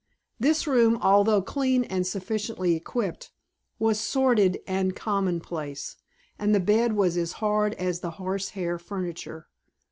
This room, although clean and sufficiently equipped, was sordid and commonplace, and the bed was as hard as the horsehair furniture.